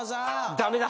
ダメだ